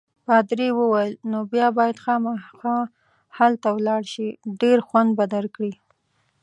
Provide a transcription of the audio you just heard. پادري وویل: نو بیا باید خامخا هلته ولاړ شې، ډېر خوند به درکړي.